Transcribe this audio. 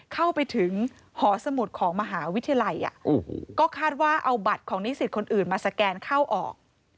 เข้าไปถึงหอสมุดของมหาวิทยาลัยก็คาดว่าเอาบัตรของนิสิตคนอื่นมาสแกนเข้าออก